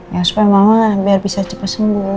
ya supaya mama biar bisa cepat sembuh